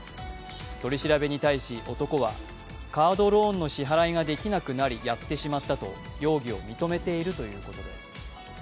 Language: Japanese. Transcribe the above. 取り調べに対し男は、カードローンの支払いができなくなりやってしまったと容疑を認めているということです。